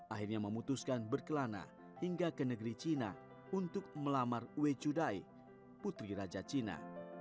akhirnya memutuskan berkelana hingga ke negeri cina untuk melamar wecudai putri raja china